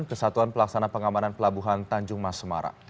kesatuan pelaksana pengamanan pelabuhan tanjung mas semarang